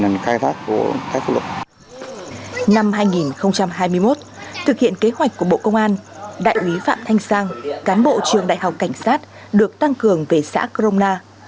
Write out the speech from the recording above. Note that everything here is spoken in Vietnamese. năm hai nghìn hai mươi một thực hiện kế hoạch của bộ công an đại úy phạm thanh sang cán bộ trường đại học cảnh sát được tăng cường về xã crona